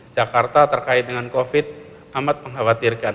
jakarta terkait dengan covid amat mengkhawatirkan